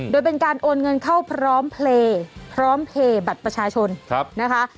โดยเป็นการโอนเงินเข้าพร้อมเพลย์พร้อมเพลย์บัตรประชาชนนะคะ